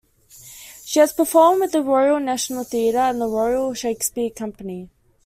She has performed with the Royal National Theatre and the Royal Shakespeare Company.